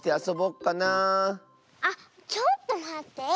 あっちょっとまって。